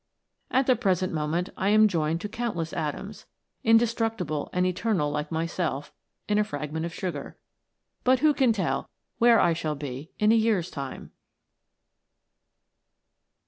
At the present moment I am joined to countless atoms, indestructible and eternal like myself, in a fragment of sugar, but who can tell where I shall be in a year's time